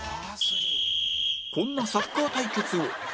こんなサッカー対決を